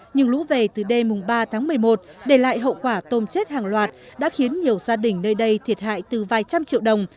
nhưng lũ về từ đêm ba tháng một mươi một để lại hậu quả tôm chết hàng loạt đã khiến nhiều gia đình nơi đây thiệt hại từ vài trăm triệu đồng